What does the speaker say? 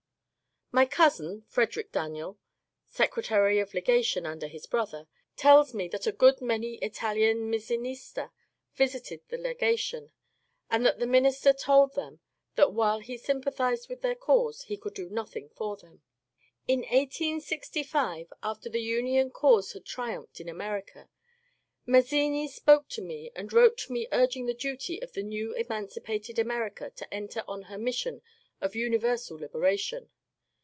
My cousin, Frederick Daniel, Secretary of Legation under his brother, tells me that a good many Italian Mazzinists visited the legation, and that the minister told them that while he sympathized with their cause he could do nothing for them. In 1866, after the Union cause had triumphed in America, Mazzini spoke to me and wrote to me urging the duty of the new emancipated America to enter on her mission of univer sal liberation.